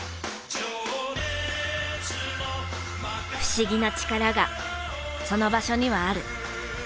不思議な力がその場所にはある。